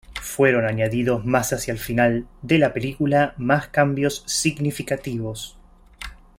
Fueron añadidos más hacia el final de la película más cambios significativos.